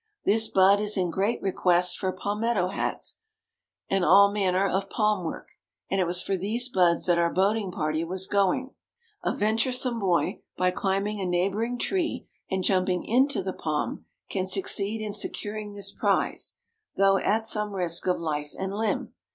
This bud is in great request for palmetto hats; and all manner of palm work; and it was for these buds that our boating party was going. A venturesome boy, by climbing a neighboring tree and jumping into the palm, can succeed in securing this prize, though at some risk of life and limb.